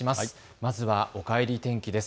まずはおかえり天気です。